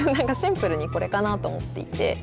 シンプルにこれかなと思っていて。